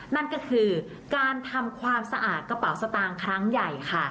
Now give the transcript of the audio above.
นั่นก็คือการทำความสะอาดกระเป๋าสตางค์ครั้งใหญ่ค่ะ